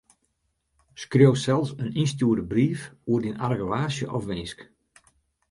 Skriuw sels in ynstjoerde brief oer dyn argewaasje of winsk.